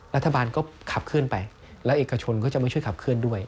รัฐบาลก็ขับเคลื่อนไปแล้วเอกชนก็จะมาช่วยขับเคลื่อนด้วย